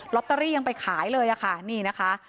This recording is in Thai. ตเตอรี่ยังไปขายเลยค่ะนี่นะคะ